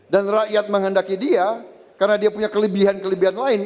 dan rakyat menghendaki dia karena dia punya kelebihan kelebihan lain